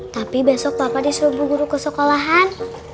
tapi besok papa disuruh bu guru ke sekolahan